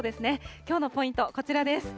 きょうのポイント、こちらです。